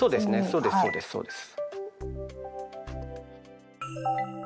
そうですそうですそうです。